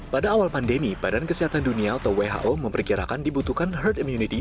pada awal pandemi badan kesehatan dunia atau who memperkirakan dibutuhkan herd immunity